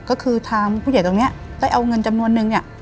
ก็คือทางผู้ใหญ่ตรงนี้ได้เอาเงินจำนวนนึงเนี่ย